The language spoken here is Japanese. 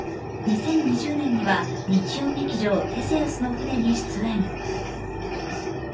２０２０年には日曜劇場「テセウスの船」に出演。